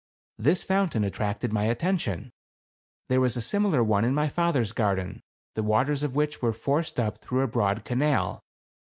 This fountain attracted my attention. There was a fimilar one in my father's garden, the waters of which were forced up through a broad canal.